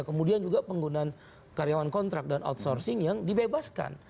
kemudian juga penggunaan karyawan kontrak dan outsourcing yang dibebaskan